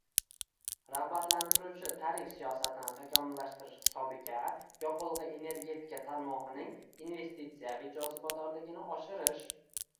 rag‘batlantiruvchi tarif siyosatini takomillashtirish hisobiga yoqilg‘i- energetika tarmog‘ining investitsiyaviy jozibadorligini oshirish;